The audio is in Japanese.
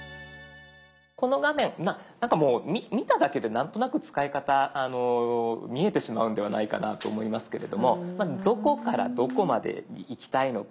この画面なんかもう見ただけで何となく使い方見えてしまうんではないかなと思いますけれどもどこからどこまで行きたいのか。